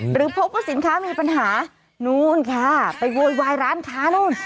หรือพบว่าสินค้ามีปัญหานู้นค่ะไปโวยวายร้านค้านู่น